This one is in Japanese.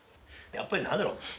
やっぱり何だろう